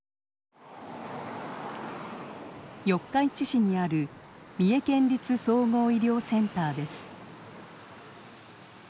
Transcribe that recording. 四日市市にある三重県立総合医療センターです。